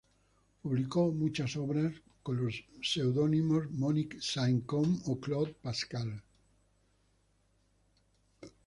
Publicó muchas obras con los pseudónimos "Monique Saint-Come" o "Claude Pascal".